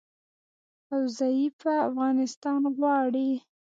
او ضعیفه افغانستان غواړي